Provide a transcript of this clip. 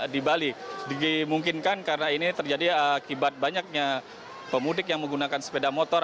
di bali dimungkinkan karena ini terjadi akibat banyaknya pemudik yang menggunakan sepeda motor